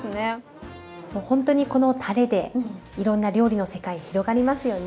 ほんとにこのたれでいろんな料理の世界広がりますよね。